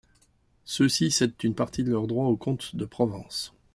Ceux-ci cèdent une partie de leurs droits aux comtes de Provence.